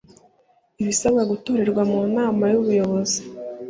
ibisabwa gutorerwa mu nama y'ubuyobozi